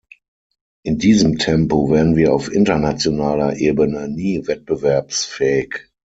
In diesem Tempo werden wir auf internationaler Ebene nie wettbewerbsfähig.